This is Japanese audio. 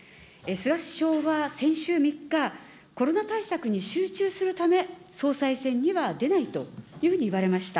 菅首相は先週３日、コロナ対策に集中するため、総裁選には出ないというふうに言われました。